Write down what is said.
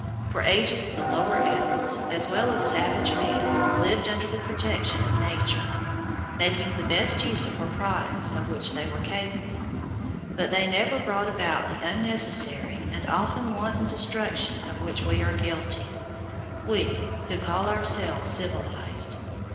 For ages the lower animals, as well as savage man, lived under the protection of Nature, making the best use of her products of which they were capable; but they never brought about the unnecessary, and often wanton, destruction of which we are guilty, we, who call ourselves civilized.